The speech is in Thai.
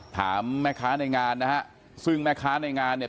ถามแม่ค้าในงานนะฮะซึ่งแม่ค้าในงานเนี่ย